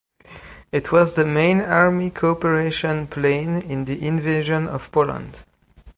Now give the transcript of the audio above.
It was the main army cooperation plane in the Invasion of Poland.